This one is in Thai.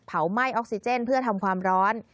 ไหม้ออกซิเจนเพื่อทำความร้อน